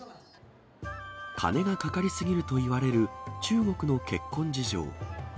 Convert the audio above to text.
金がかかり過ぎるといわれる中国の結婚事情。